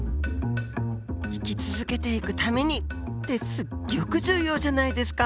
生き続けていくためにってすっギョく重要じゃないですか！